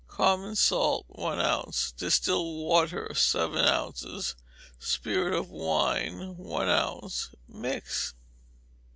Common salt, one ounce, distilled water, seven ounces; spirit of wine, one ounce: mix.